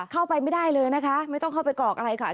เข้าไปไม่ได้เลยนะคะไม่ต้องเข้าไปกรอกอะไรค่ะ